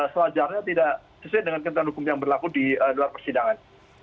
selajarnya tidak sesuai dengan ketentuan hukum yang berlaku di dalam persidangan